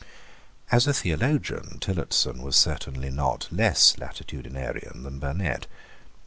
As a theologian, Tillotson was certainly not less latitudinarian than Burnet.